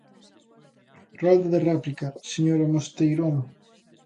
Rolda de réplica, señora Mosteirón.